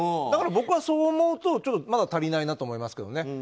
だから僕はそう思うとまだ足りないなと思いますけどね。